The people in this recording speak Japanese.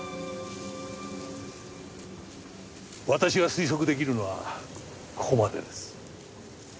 私が推測出来るのはここまでです。